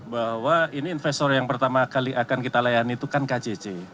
bahwa ini investor yang pertama kali akan kita layani itu kan kcc